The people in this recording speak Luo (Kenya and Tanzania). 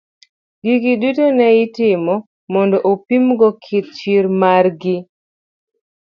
Gigi duto ne itimo mondo opim go kit chir mar gi.